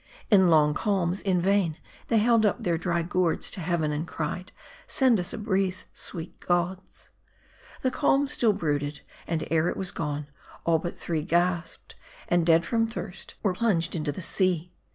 In long calms, in vain they held up their dry gourds to heaven, and cried " send us a breeze, sweet gods !" The calm still brooded ; and ere it was gone, all but three gasped ; and dead from thirst* were plunged into the sea.